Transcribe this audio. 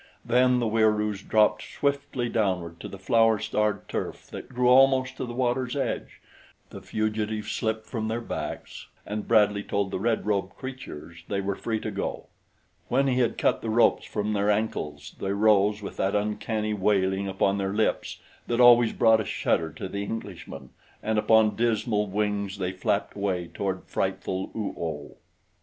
Then the Wieroos dropped swiftly downward to the flower starred turf that grew almost to the water's edge, the fugitives slipped from their backs, and Bradley told the red robed creatures they were free to go. When he had cut the ropes from their ankles they rose with that uncanny wailing upon their lips that always brought a shudder to the Englishman, and upon dismal wings they flapped away toward frightful Oo oh.